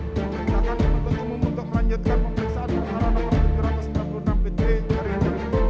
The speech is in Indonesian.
dua perintahkan untuk umum untuk melanjutkan pemeriksaan antara nomor tujuh ratus sembilan puluh enam bg dari ru satu